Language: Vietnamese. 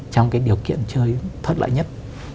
trong cái điều kiện chơi thoát lại nhất